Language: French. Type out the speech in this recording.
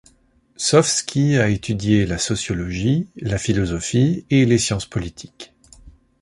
Sofsky a étudié la sociologie, la philosophie et les sciences politiques.